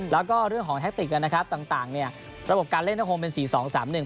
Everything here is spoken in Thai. แล้วก็เรื่องของแพคติกนะครับต่างเนี่ยระบบการเล่นก็คงเป็น๔๒๓๑